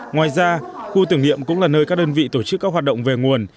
ngoài ra khu tưởng niệm cũng là nơi các đơn vị tổ chức các hoạt động về nguồn